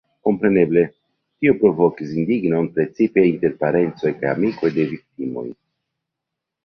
Kompreneble, tio provokis indignon precipe inter parencoj kaj amikoj de viktimoj.